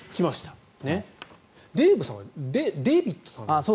デーブさんはデービッドさんなんですか？